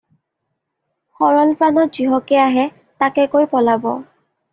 সৰল প্ৰাণত যিহকে আহে তাকে কৈ পলাব।